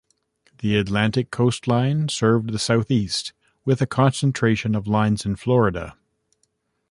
The Atlantic Coast Line served the Southeast, with a concentration of lines in Florida.